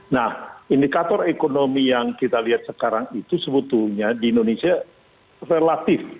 nah indikator ekonomi yang kita lihat sekarang itu sebetulnya di indonesia relatif